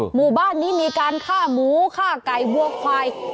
หมู่บ้านนี้มีการฆ่าหมูฆ่าไก่วัวควาย